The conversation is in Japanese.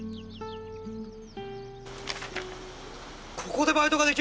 ここでバイトができるんですか？